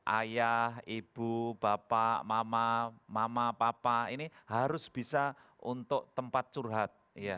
ayah ibu bapak mama papa ini harus bisa untuk tempat curhat